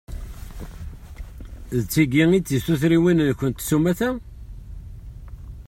D tigi i d tisutriwin-nkent s umata?